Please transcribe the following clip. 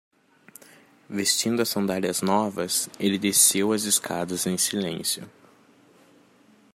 Vestindo as sandálias novas, ele desceu as escadas em silêncio.